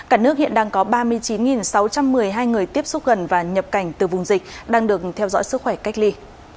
cả nước hiện đang có ba mươi chín sáu trăm một mươi hai người tiếp xúc gần và nhập cảnh từ vùng dịch đang được theo dõi sức khỏe cách ly